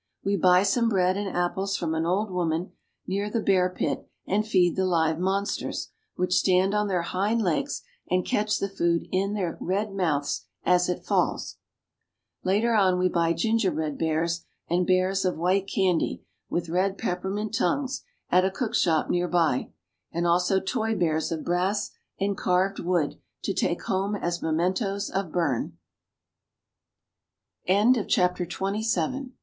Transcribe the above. We buy some bread and apples from an old woman, near the bear pit, and feed the live monsters, which stand on their hind legs and catch the food in their red mouths as it falls. Later on we buy gingerbread bears, and bears of white candy, with red peppermint tongues, at a cook shop near by, and also toy bears of brass and carved wood, to ta